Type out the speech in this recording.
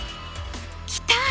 来た！